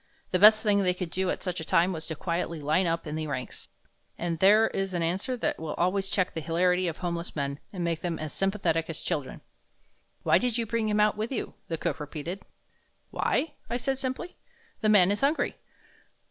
The best thing they could do at such a time was to quietly line up in the ranks. And there is an answer that will always check the hilarity of homeless men and make them as sympathetic as children. "Why did you bring him out with you?" the cook repeated. "Why?" I said, simply, "the man is hungry."